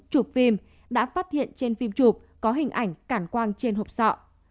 chụp phim đã phát hiện trên phim chụp có hình ảnh cảm quang trên hộp sọ